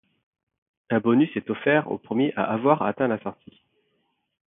Un bonus est offert au premier à avoir atteint la sortie.